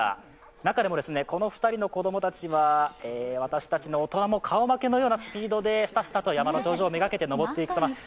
中でもこの２人の子供たちは私たち大人も顔負けのようなスピードですたすたと山の頂上を目がけて登っていきます。